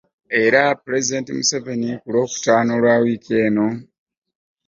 Era Pulezidenti Museveni ku Lwokutaano lwa wiiki eno.